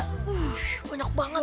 wuh banyak banget